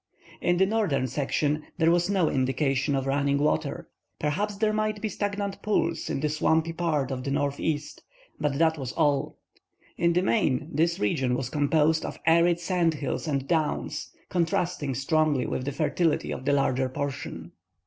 In the northern section there was no indication of running water; perhaps there might be stagnant pools in the swampy part of the northeast, but that was all; in the main this region was composed of arid sand hills and downs, contrasting strongly with the fertility of the larger portion.